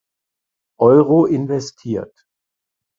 Euro investiert.